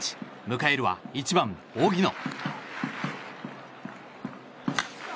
迎えるは１番、荻野。